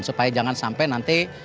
supaya jangan sampai nanti